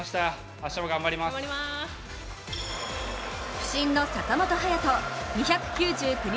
不振の坂本勇人、２９９日